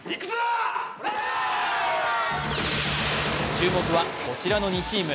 注目はこちらの２チーム。